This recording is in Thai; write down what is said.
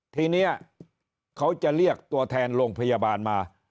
ทีนี้เขาจะเรียกตัวแทนโรงพยาบาลมา